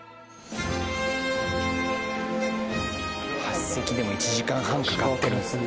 ８席でも１時間半かかってるんですね。